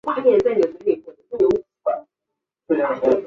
坐舱另外会有火箭等装备作出发射后的姿态调整。